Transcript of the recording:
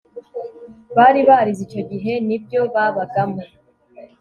bari barize icyo gihe ni byo babagamo